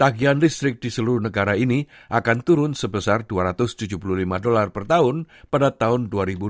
pilihan listrik di seluruh negara ini akan turun sebesar dua ratus tujuh puluh lima dolar per tahun pada tahun dua ribu dua puluh lima